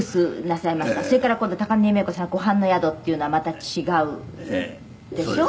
「それから今度高峰三枝子さん『湖畔の宿』っていうのはまた違うでしょ？」